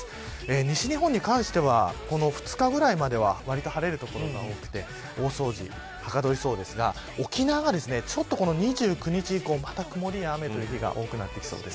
西日本に関しては２日ぐらいまではわりと晴れる所が多くて大掃除、はかどりそうですが沖縄が２９日以降、また曇りや雨と雪が多くなってきそうです。